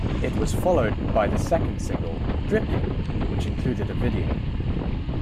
It was followed by the second single, "Dripping," which included a video.